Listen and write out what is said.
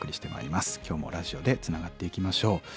今日もラジオでつながっていきましょう。